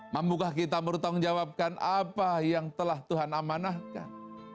mampukah kita bertanggung jawabkan apa yang telah tuhan amanahkan